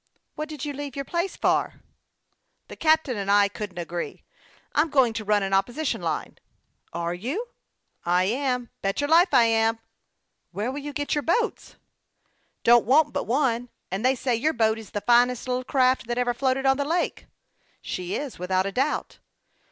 "What did you leave your place for?" " The captain and I couldn't agree. I'm going to run an opposition line." " Are you ?" "I am ; bet your life I am." " Where will you get your boats ?" THE YOUNG PILOT OF LAKE CHAMPLAIN. 123 " Don't want but one ; and they say your boat is the finest little craft that ever floated on the lake." " She is, without a doubt."